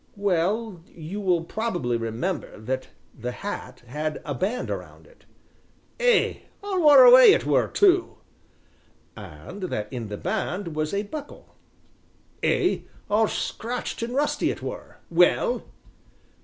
"Well, you will probably remember that the hat had a band round it " "Ay, all wore away it were too " "And that in the band was a buckle " "Ay, all scratched an' rusty it were well?"